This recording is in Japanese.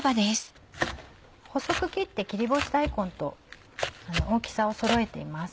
細く切って切り干し大根と大きさを揃えています。